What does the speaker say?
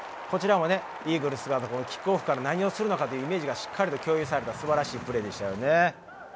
こちらもイーグルスがキックオフから何をするのかというイメージがしっかりと共有されたすばらしいプレーでしたよね。